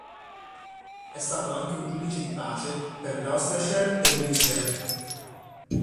È stato anche un giudice di pace per Gloucestershire e Wiltshire.